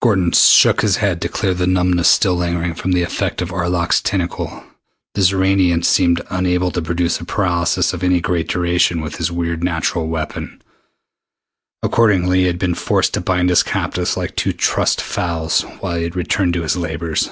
Gordon shook his head to clear the numbness still lingering from the effect of Arlok's tentacle. The Xoranian seemed unable to produce a paralysis of any great duration with his weird natural weapon. Accordingly, he had been forced to bind his captives like two trussed fowls while he returned to his labors.